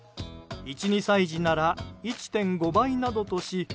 １２歳児なら１．５倍などとし